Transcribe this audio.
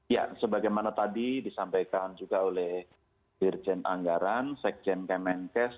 ya sebagaimana tadi disampaikan juga oleh dirjen anggaran sekjen kemenkes